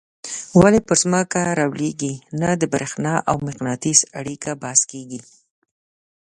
ولي پر ځمکه رالویږي نه د برېښنا او مقناطیس اړیکه بحث کیږي.